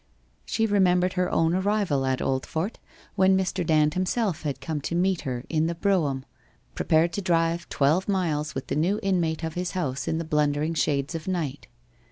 She remembered her own arrival at Oldfort, when Mr. Dand himself had come to meet her in the brougham, prepared to drive twelve miles with the new inmate of his house in the blundering shades of night.